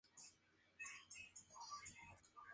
Estos grupos no son mutuamente excluyentes.